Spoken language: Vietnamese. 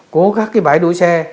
cố gắng cái bãi đuôi xe